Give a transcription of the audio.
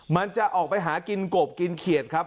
มันจะออกไปหากินกบกินเขียดครับ